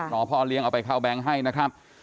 รอพ่อเลี้ยงเอาไปเข้าแบงค์ให้นะครับ